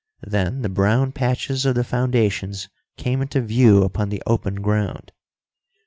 Then the brown patches of the foundations came into view upon the open ground.